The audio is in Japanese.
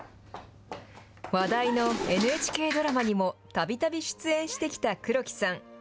話題のＮＨＫドラマにもたびたび出演してきた黒木さん。